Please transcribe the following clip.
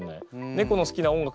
猫の好きな音楽